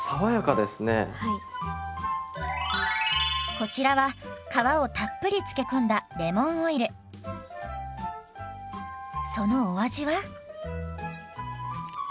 こちらは皮をたっぷり漬け込んだそのお味は？